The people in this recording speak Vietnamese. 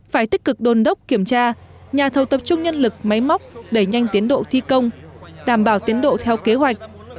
phải tích cực đồn đốc kiểm tra nhà thầu tập trung nhân lực máy móc đẩy nhanh tiến độ thi công đảm bảo tiến độ theo kế hoạch